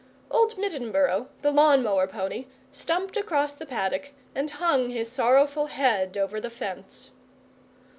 Old Middenboro, the lawn mower pony, stumped across the paddock and hung his sorrowful head over the fence.